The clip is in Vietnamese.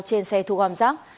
trên xe thu gom rác